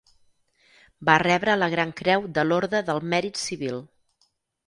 Va rebre la Gran Creu de l'Orde del Mèrit Civil.